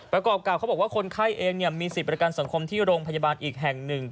ประกอบกับเขาบอกว่าคนไข้เองมีสิทธิ์ประกันสังคมที่โรงพยาบาลอีกแห่งหนึ่ง